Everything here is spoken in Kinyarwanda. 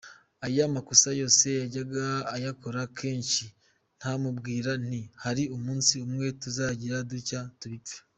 Aya makosa yose yajyaga ayakora kenshi nkamubwira nti hari umunsi umwe tuzagira dutya tubipfe.